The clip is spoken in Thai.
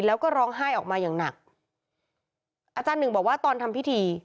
แล้วก็ร้องไห้ออกมาอย่างหนักอาจารย์หนึ่งบอกว่าตอนทำพิธี